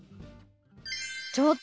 ちょっと！